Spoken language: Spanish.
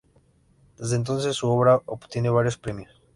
Desde entonces su obra obtiene varios premios.